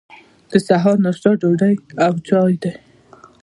د سهار ناشته ډوډۍ او چای دی.